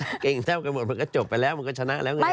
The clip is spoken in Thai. เก่งแซ่บกันหมดมันก็จบไปแล้วมันก็ชนะแล้วไง